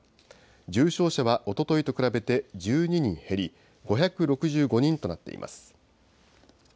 重症者はおとといと比べて１２人減り、５６５人となっています。